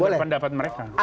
dari pendapat mereka